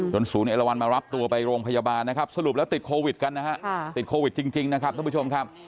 ศูนย์เอลวันมารับตัวไปโรงพยาบาลนะครับสรุปแล้วติดโควิดกันนะฮะติดโควิดจริงนะครับท่านผู้ชมครับ